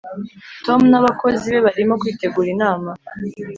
tom n'abakozi be barimo kwitegura inama.